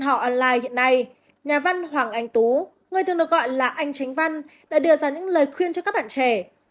họ online hiện nay nhà văn hoàng anh tú đã đưa ra những lời khuyên cho các bạn trẻ